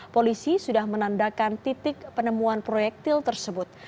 polisi sudah menandakan titik penemuan proyektil tersebut